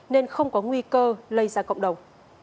nên không có nguy cơ lây ra cộng đồng